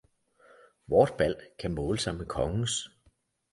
Vort bal kan måle sig med kongens!